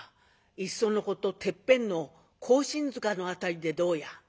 いっそのことてっぺんの庚申塚の辺りでどうや？」。